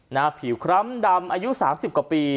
หน้าผิวคล้ำดำอายุ๓๐กว่าปี